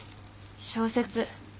小説。